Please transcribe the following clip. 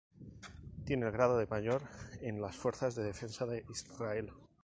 Tiene el grado de Mayor en las Fuerzas de Defensa de Israel.